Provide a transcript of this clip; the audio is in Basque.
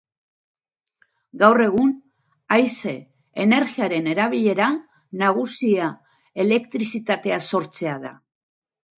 Gaur egun, haize-energiaren erabilera nagusia elektrizitatea sortzea da.